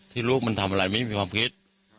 ที่ลูกมันทำอะไรไม่มีความคิดครับ